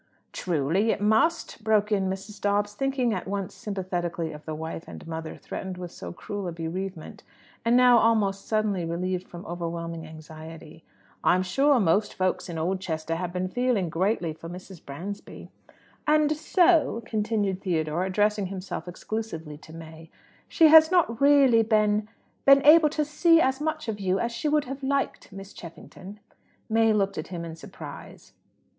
"Truly it must!" broke in Mrs. Dobbs, thinking at once sympathetically of the wife and mother threatened with so cruel a bereavement, and now almost suddenly relieved from overwhelming anxiety. "I'm sure most folks in Oldchester have been feeling greatly for Mrs. Bransby." "And so," continued Theodore, addressing himself exclusively to May, "she has not really been been able to see as much of you as she would have liked, Miss Cheffington." May looked at him in surprise.